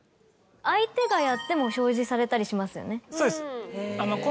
相手がやっても表示されたりしますよね？